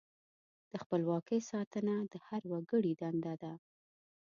د خپلواکۍ ساتنه د هر وګړي دنده ده.